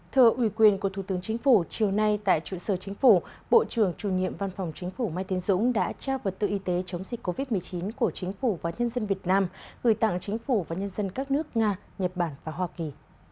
thưa ủy quyền của thủ tướng chính phủ chiều nay tại trụ sở chính phủ bộ trưởng chủ nhiệm văn phòng chính phủ mai tiến dũng đã trao vật tư y tế chống dịch covid một mươi chín của chính phủ và nhân dân việt nam gửi tặng chính phủ và nhân dân các nước nga nhật bản và hoa kỳ